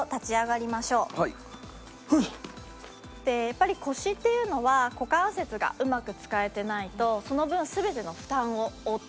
やっぱり腰っていうのは股関節がうまく使えてないとその分全ての負担を負ってきます。